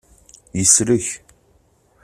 Yeslek.